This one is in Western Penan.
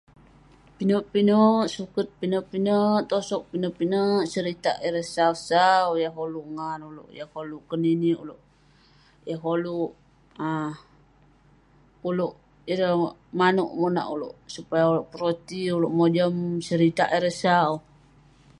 Pinek pinek suket, pinek pinek tosog, pinek pinek seritak ireh sau sau yah koluk ngan ulouk, yah koluk keninik ulouk. Yah koluk ah ulouk ireh manouk monak ulouk, supaya ulouk peroti, ulouk mojam seritak ireh sau.